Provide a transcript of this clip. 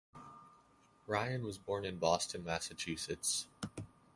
Ryan was born in Boston, Massachusetts.